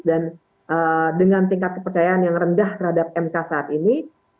dan dengan tingkat kepercayaan yang rendah terhadap mk saat ini